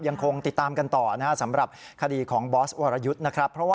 ยังคงติดตามกันต่อนะครับสำหรับคดีของบอสวรยุทธ์นะครับ